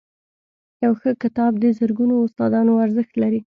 • یو ښه کتاب د زرګونو استادانو ارزښت لري.